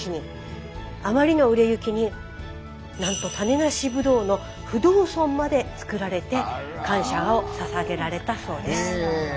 あまりの売れ行きになんと種なしブドウの不動尊までつくられて感謝をささげられたそうです。